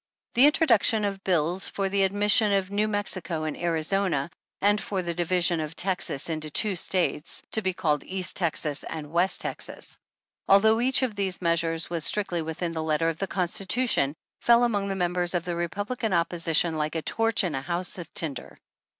The introduction of bills for the admission of New Mexico and Arizona, and for the division of Texas into two States to be called East Texas and West Texas, although each of these measures was strictly within the letter of the Constitution, fell among the members of the Republican opposition like a torch in a house of tinder.